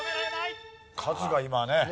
カズが今ね。